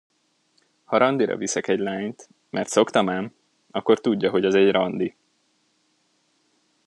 Ha randira viszek egy lányt, mert szoktam ám, akkor tudja, hogy az egy randi.